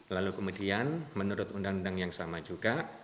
lalu kemudian menurut undang undang yang sama juga